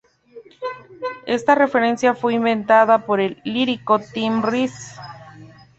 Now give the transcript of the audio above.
Esta referencia fue inventada por el lírico Tim Rice.